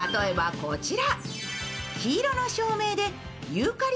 例えばこちら。